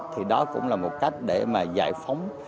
thì đó cũng là một cách để mà giải phóng